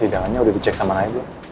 tidak hanya udah di cek sama naya aja